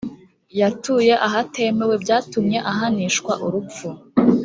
yatuye ahatemewe byatumye ahanishwa urupfu